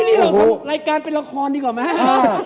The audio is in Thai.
นี่เราทำรายการเป็นละครดีกว่าไหม